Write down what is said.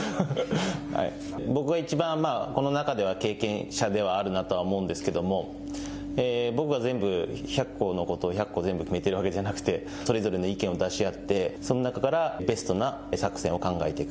僕がいちばんこの中では経験者ではあるなとは思うんですけども僕が全部１００個のことを１００個全部決めているわけではなくてそれぞれの意見を出し合ってその中からベストな作戦を考えていく。